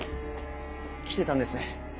来てたんですね。